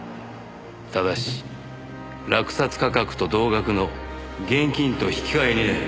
ただし落札価格と同額の現金と引き換えにね。